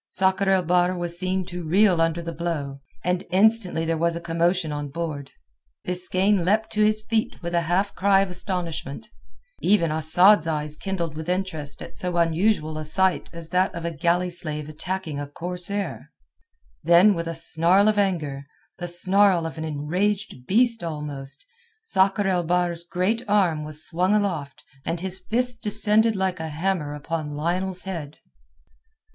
Sakr el Bahr was seen to reel under the blow, and instantly there was a commotion on board. Biskaine leapt to his feet with a half cry of astonishment; even Asad's eyes kindled with interest at so unusual a sight as that of a galley slave attacking a corsair. Then with a snarl of anger, the snarl of an enraged beast almost, Sakr el Bahr's great arm was swung aloft and his fist descended like a hammer upon Lionel's head.